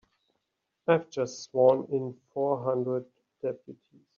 I've just sworn in four hundred deputies.